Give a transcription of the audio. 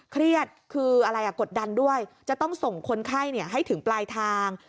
เครียดคืออะไรกดดันด้วยจะต้องส่งคนไข้ให้ถึงปลายทาง